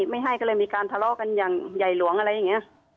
ไม่ให้ก็เลยมีการทะเลาะกันอย่างใหญ่หลวงอะไรอย่างนี้